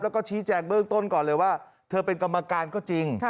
แล้วก็ชี้แจงเบื้องต้นก่อนเลยว่าเธอเป็นกรรมการก็จริง